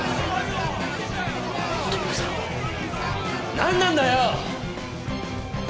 何なんだよ！